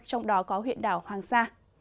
trong đó có huyện đảo hoàng sa